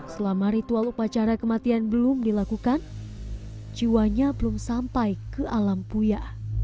selama ritual upacara kematian belum dilakukan jiwanya belum sampai ke alam puya